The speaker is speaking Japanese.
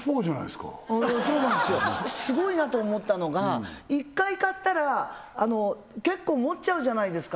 すごいなと思ったのが１回買ったら結構もっちゃうじゃないですか